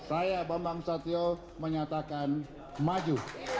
saya bambang susatyo menyatakan maju